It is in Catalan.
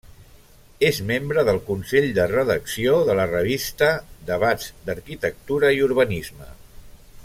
És membre del consell de redacció de la revista Debats d’Arquitectura i Urbanisme.